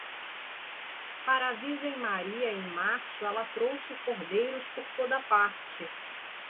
Para a Virgem Maria, em março, ela trouxe cordeiros por toda parte.